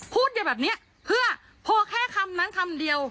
พูดอยู่แบบนี้เพื่อพอแค่คำนั้นคำเดียว